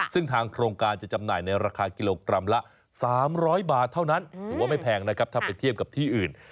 ซึ่งทางโครงการจะจำหน่ายในราคากิโลกรัมละ๓๐๐บาทเท่านั้นถือว่าไม่แพงนะครับถ้าไปเทียบกับที่อื่น